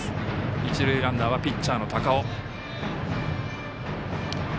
一塁ランナーはピッチャーの高尾。